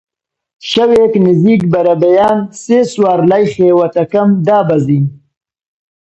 شەوێک نزیکی بەربەیان سێ سوار لای خێوەتەکەم دابەزین